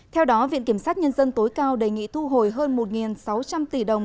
theo đó viện kiểm sát nhân dân tối cao đề nghị thu hồi hơn một sáu trăm linh tỷ đồng